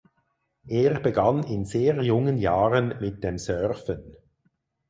Er begann in sehr jungen Jahren mit dem Surfen.